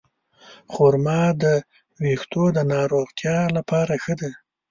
خرما د ویښتو د روغتیا لپاره ښه ده.